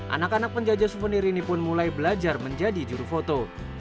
anak anak penjajah suvenir ini pun mulai belajar menjadi juru foto